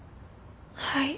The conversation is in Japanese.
はい。